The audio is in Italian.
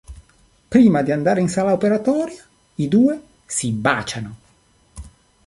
Prima di andare in sala operatoria, i due si baciano.